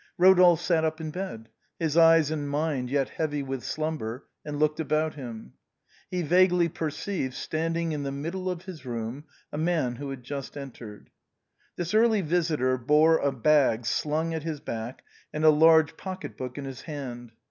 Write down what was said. Rodolphe sat up in bed, his eyes and mind yet heavy with slumber, and looked about him. He vaguely perceived standing in the middle of his room a man who had just entered. This early visitor bore a bag slung at his back and a large pocket book in his hand.